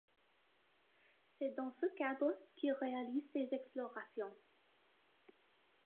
C'est dans ce cadre qu'il réalise ses explorations.